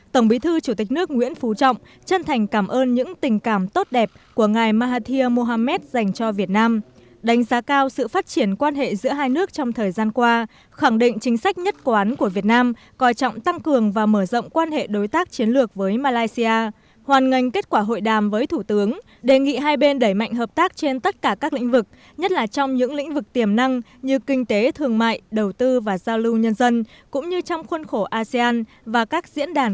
tổng bí thư chủ tịch nước nguyễn phú trọng chân thành cảm ơn những tình cảm tốt đẹp của ngài mahathir mohamed dành cho việt nam đánh giá cao sự phát triển quan hệ giữa hai nước trong thời gian qua khẳng định chính sách nhất quán của việt nam coi trọng tăng cường và mở rộng quan hệ đối tác chiến lược với malaysia hoàn nghênh kết quả hội đàm với thủ tướng đề nghị hai bên đẩy mạnh hợp tác trên tất cả các lĩnh vực nhất là trong những lĩnh vực tiềm năng như kinh tế thương mại đầu tư và giao lưu nhân dân cũng như trong khuôn khổ asean và các diễn đàn